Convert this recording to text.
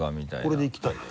これでいきたいね。